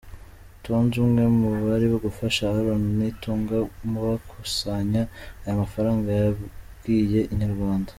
Tonzi umwe mu bari gufasha Aaron Nitunga bakusanya aya mafaranga yabwiye Inyarwanda.